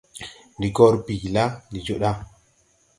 Ndi gor bii la, ndi joo da.